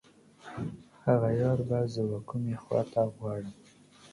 هغه یار به زه و کومې خواته غواړم.